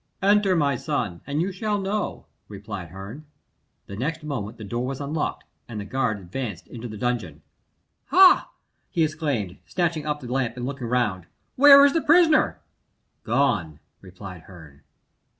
"Enter, my son, and you shall know," replied Herne. The next moment the door was unlocked, and the guard advanced into the dungeon. "Ha!" he exclaimed, snatching up the lamp and looking around, "where is the prisoner?" "Gone," replied Herne.